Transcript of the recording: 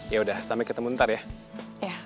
yaudah sampai ketemu ntar ya